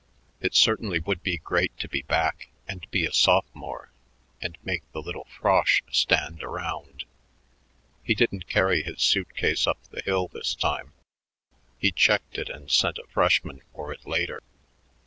It certainly would be great to be back and be a sophomore and make the little frosh stand around. He didn't carry his suit case up the hill this time; he checked it and sent a freshman for it later.